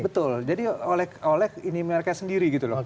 betul jadi oleh ini mereka sendiri gitu loh